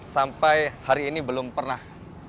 sampai hari ini belum pernah